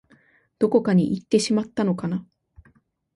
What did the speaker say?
どこかにいってしまったのかな